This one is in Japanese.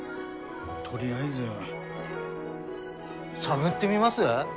とりあえず探ってみます？